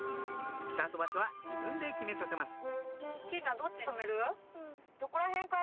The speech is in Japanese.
スタート場所は自分で決めさせます